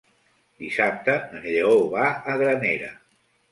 Dissabte en Lleó va a Granera.